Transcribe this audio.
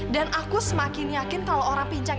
dan aku semakin yakin kalau orang pincang